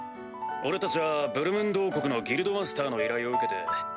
俺たちはブルムンド王国のギルドマスターの依頼を受けて。